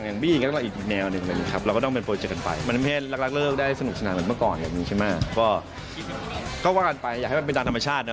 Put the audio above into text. หรือถ้าเราชอบเขาเขาก็ต้องชอบเราด้วยอะไรอย่างนี้